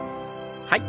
はい。